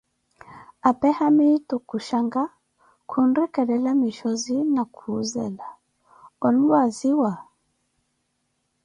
apee haamitu khushankah, khunrikelela mishozi na kuuzela: onlwaziwa?